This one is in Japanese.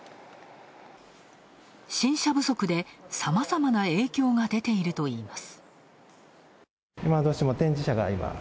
新車不足でさまざまな影響が出ているといいます。